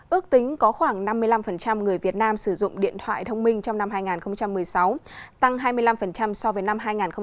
ước tính có khoảng năm mươi năm người việt nam sử dụng điện thoại thông minh trong năm hai nghìn một mươi sáu tăng hai mươi năm so với năm hai nghìn một mươi bảy